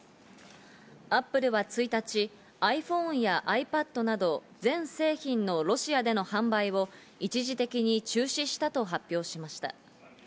Ａｐｐｌｅは１日、ｉＰｈｏｎｅやｉＰａｄなど全製品のロシアでの販売を一時的に中止したと発表しました。